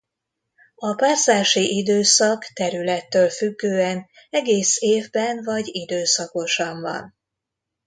A párzási időszak területtől függően egész évben vagy időszakosan van.